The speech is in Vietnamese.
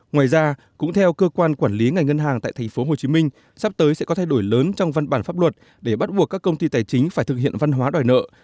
ngoài ra cũng theo cơ quan quản lý ngành ngân hàng tại tp hcm sắp tới sẽ có thay đổi lớn trong văn bản pháp luật để bắt buộc các công ty tài chính phải thực hiện văn hóa đòi nợ